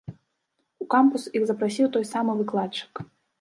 У кампус іх запрасіў той самы выкладчык.